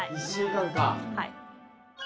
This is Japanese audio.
はい。